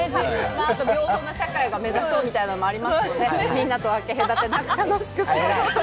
あと、共生の社会を目指そうみたいなのがありますのでみんなと分け隔てなく楽しく。